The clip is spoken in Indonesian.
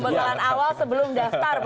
pembekalan awal sebelum daftar